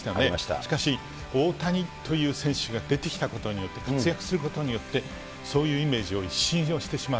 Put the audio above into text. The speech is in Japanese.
しかし、大谷という選手が出てきたことによって、活躍することによって、そういうイメージを一新をしてしまう。